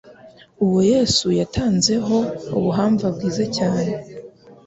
uwo Yesu yatanzeho ubuhamva bwiza cyane.